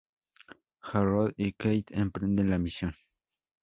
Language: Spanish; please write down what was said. Jarrod y Kate emprenden la misión.